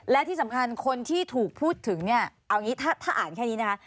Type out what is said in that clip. และที่สำคัญคนที่ถูกพูดถึงเนี่ยเอางี้ถ้าอ่านแค่นี้นะคะ